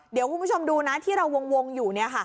เดี๋ยวคุณผู้ชมดูนะที่เราวงอยู่